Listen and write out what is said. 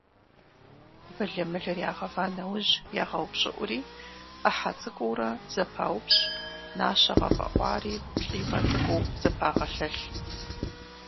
Былымылыр ягъэва нэужь, ягъэупщӀыӀури, Ӏыхьэ цӀыкӀуурэ зэпаупщӀ, нащэ гъэфӀэӀуари плӀимэ цӀыкӀуу зэпагъэлъэлъ.